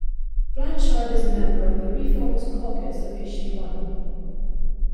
Blanchard is a member of the ReFormers Caucus of Issue One.